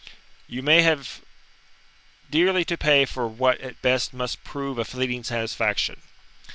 "You may have dearly to pay for what at best must prove a fleeting satisfaction."